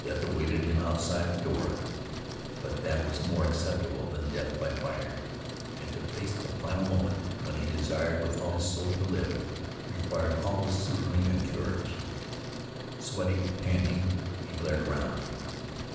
Death awaited him outside the door, but that was more acceptable than death by fire. Yet to face the final moment when he desired with all his soul to live, required almost super human courage. Sweating, panting, he glared around.